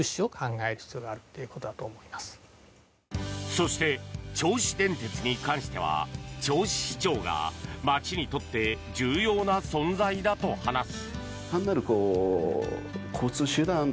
そして、銚子電鉄に関しては銚子市長が街にとって重要な存在だと話す。